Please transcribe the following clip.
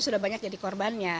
sudah banyak jadi korbannya